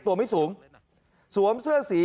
ตัวไม่สูงสวมเสื้อสี